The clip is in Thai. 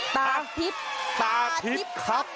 ตาทิพย์ตาทิพย์ครับ